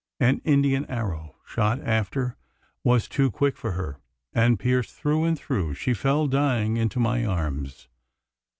An Indian arrow shot after was too quick for her; and, pierced through and through, she fell dying into my arms.